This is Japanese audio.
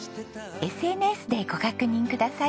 ＳＮＳでご確認ください。